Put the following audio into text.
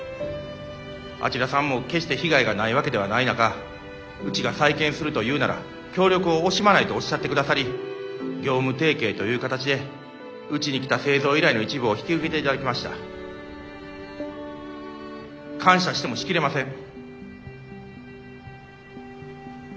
あちらさんも決して被害がないわけではない中うちが再建すると言うなら協力を惜しまないとおっしゃってくださり業務提携という形でうちに来た製造依頼の一部を引き受けていただきました。感謝してもし切れません。